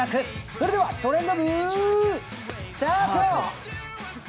それでは「トレンド部」スタート！